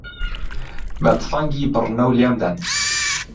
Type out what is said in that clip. به تفهنگی بڕنهو لێم دهن